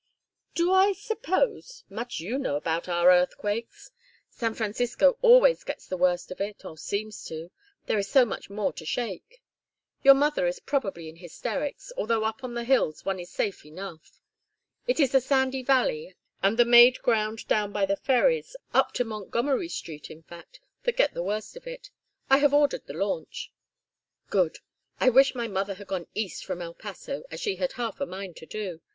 "Do I suppose much you know about our earthquakes! San Francisco always gets the worst of it, or seems to, there is so much more to shake. Your mother is probably in hysterics, although up on the hills one is safe enough. It is the sandy valley and the made ground down by the ferries up to Montgomery Street, in fact that get the worst of it. I have ordered the launch." "Good. I wish my mother had gone east from El Paso, as she had half a mind to do.